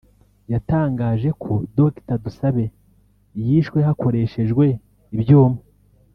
yatangaje ko Dr Dusabe yishwe hakoreshejwe ibyuma